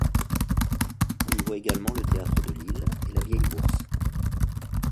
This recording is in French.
On y voit également le théâtre de Lille et la Vieille Bourse.